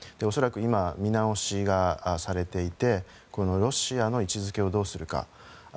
恐らく今、見直しがされていてロシアの位置づけをどうするか。